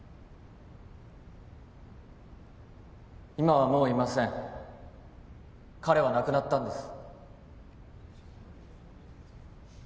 今はもういません彼は亡くなったんです